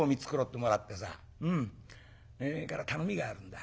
それから頼みがあるんだ。